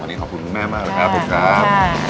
วันนี้ขอบคุณคุณแม่มากนะครับขอบคุณครับ